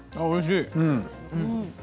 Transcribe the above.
おいしい。